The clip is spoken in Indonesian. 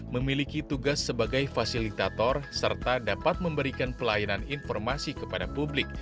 memiliki tugas sebagai fasilitator serta dapat memberikan pelayanan informasi kepada publik